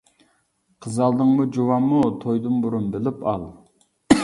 قىز ئالدىڭمۇ جۇۋانمۇ، تويدىن بۇرۇن بىلىپ ئال.